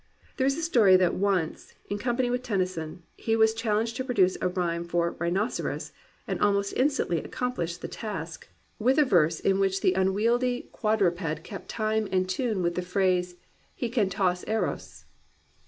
There is a story that once, in company with Tennyson, he was challenged to produce a rhyme for "rhinoceros," and almost instantly accomplished the task with a verse in * Cheney, The Golden Guess, p. 143. 265 COMPANIONABLE BOOKS which the unwieldy quadruped kept time and tune with the phrase "he can toks Eros.'